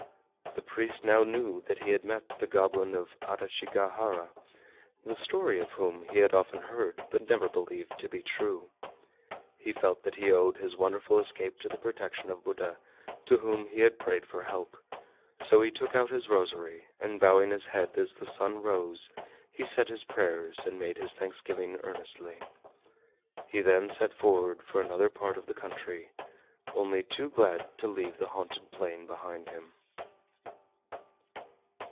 The priest now knew that he had met the Goblin of Adachigahara, the story of whom he had often heard but never believed to be true. He felt that he owed his wonderful escape to the protection of Buddha to whom he had prayed for help, so he took out his rosary and bowing his head as the sun rose he said his prayers and made his thanksgiving earnestly. He then set forward for another part of the country, only too glad to leave the haunted plain behind him.